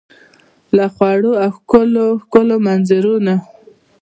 له خوړو او ښکلو ، ښکلو منظرو نه